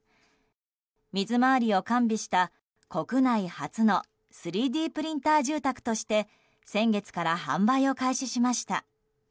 水回りを完備した国内初の３Ｄプリンター住宅として先月から販売を開始しました。